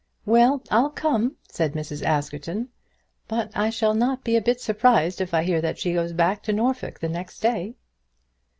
"Well, I'll come," said Mrs. Askerton, "but I shall not be a bit surprised if I hear that she goes back to Norfolk the next day."